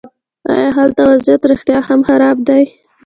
ایا هلته وضعیت رښتیا هم خراب دی.